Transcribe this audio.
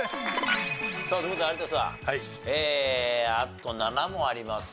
さあという事で有田さんあと７問あります。